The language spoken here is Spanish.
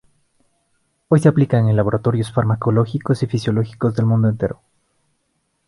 Hoy se aplican en laboratorios farmacológicos y fisiológicos del mundo entero.